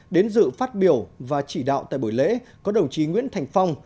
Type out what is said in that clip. đến dự phát biểu và chỉ đạo tại buổi lễ có đồng chí nguyễn thành phong